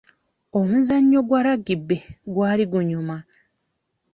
Omusannyi gwa lagibe gwali gunyuma .